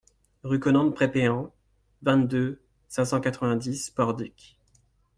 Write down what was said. Rue Conen de Prépéan, vingt-deux, cinq cent quatre-vingt-dix Pordic